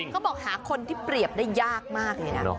ค่อยบอกหาคนที่เปรียบได้ยากมากนี่นะ